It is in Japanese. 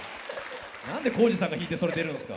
何で耕史さんが引いてそれ出るんすか。